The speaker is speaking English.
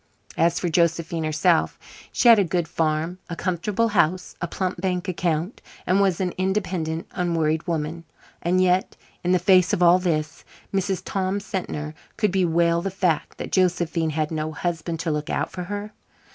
As for Josephine herself, she had a good farm, a comfortable house, a plump bank account, and was an independent, unworried woman. And yet, in the face of all this, Mrs. Tom Sentner could bewail the fact that Josephine had no husband to look out for her.